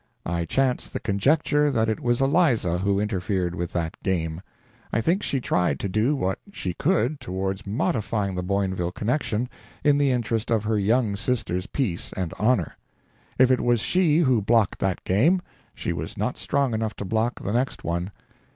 I chance the conjecture that it was Eliza who interfered with that game. I think she tried to do what she could towards modifying the Boinville connection, in the interest of her young sister's peace and honor. If it was she who blocked that game, she was not strong enough to block the next one.